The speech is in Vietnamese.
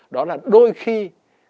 đó là đôi khi người ta